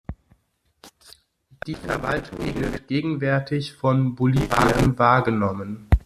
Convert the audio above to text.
Die Verwaltung wird gegenwärtig von Bolivien wahrgenommen.